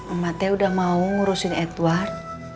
emak teh udah mau ngurusin edward